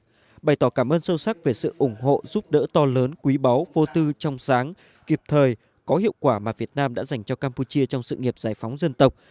bày tỏ cảm ơn sâu sắc về sự ủng hộ giúp đỡ to lớn quý báu vô tư trong sáng kịp thời có hiệu quả mà việt nam đã dành cho campuchia trong sự nghiệp giải phóng dân tộc